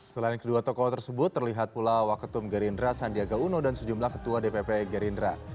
selain kedua tokoh tersebut terlihat pula waketum gerindra sandiaga uno dan sejumlah ketua dpp gerindra